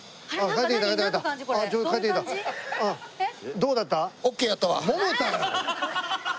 どうだった？